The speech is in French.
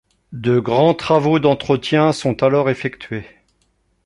De grands travaux d'entretien sont alors effectués.